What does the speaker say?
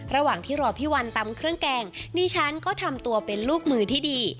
ระหว่างที่รอพี่วันตำเครื่องแกงดิฉันก็ทำตัวเป็นลูกมือที่ดี